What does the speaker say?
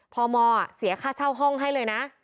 พมเสียค่าเช่าห้องให้เลยนะ